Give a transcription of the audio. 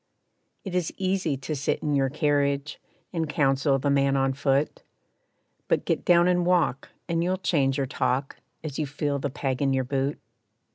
It is easy to sit in your carriage, And counsel the man on foot, But get down and walk, and you'll change your talk, As you feel the peg in your boot.